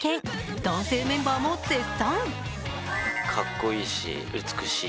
男性メンバーも絶賛。